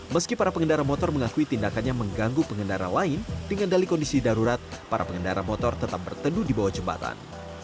meski para pengendara motor mengakui tindakannya mengganggu pengendara lain dengan dali kondisi darurat para pengendara motor tetap berteduh di bawah jembatan